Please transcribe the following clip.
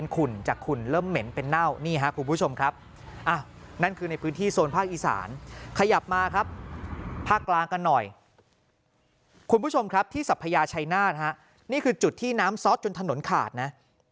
คนจากคุณเริ่มเหม็นเป็นเน่านี่ฮะคุณผู้ชมครับอ่ะนั้นคือในพื้นที่โซนภาคอีสานขยับมาครับภากลากระหน่อยคุณผู้ชมครับที่สะพยาชัยนาธิฮะนี่คือจุดที่น้ำซ็อมถึงถนนขาดนะ